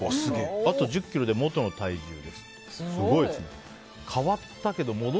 あと１０ｋｇで元の体重です。